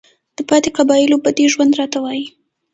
د پاتې قبايلو بدوى ژوند راته وايي،